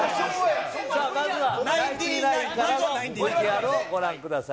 さあ、まずはナインティナインからのＶＴＲをご覧ください。